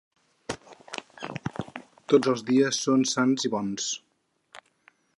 Tots els dies són sants i bons.